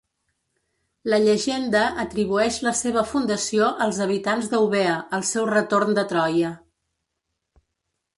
La llegenda atribueix la seva fundació als habitants d'Eubea al seu retorn de Troia.